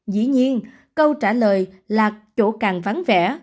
dĩ nhiên câu trả lời là chỗ càng vắng vẻ